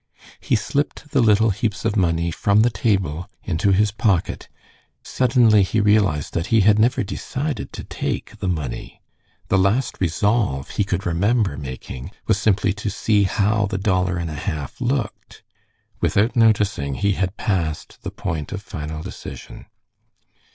He slipped the little heaps of money from the table into his pocket, and then suddenly he realized that he had never decided to take the money. The last resolve he could remember making was simply to see how the dollar and a half looked. Without noticing, he had passed the point of final decision.